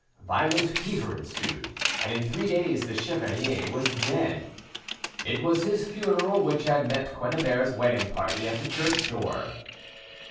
Violent fever ensued, and in three days the chevalier was dead. It was his funeral which had met Quennebert's wedding party at the church door.